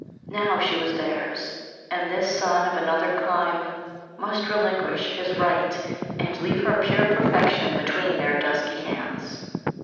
Now she was theirs, and this son of another clime must relinquish his right, and leave her pure perfection between their dusky hands.